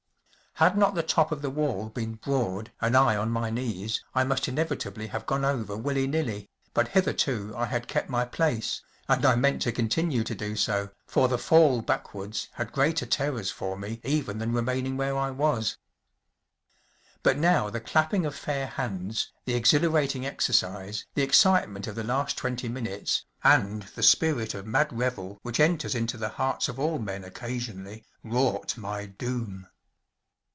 6 35 Had not the top of the wall been broad and I on my knees, I must inevitably have gone over willy nilly; but hitherto I had kept my place, and I meant to continue to do so, for the fall backwards had greater terrors for me even than remaining where I was. But now the clapping of fair hands, the exhilarating exercise, the excitement of the last twenty minutes, and the spirit of mad revel which enters into the hearts of all men occasionally, wrought my doom.